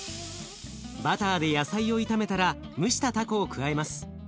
バターで野菜を炒めたら蒸したたこを加えます。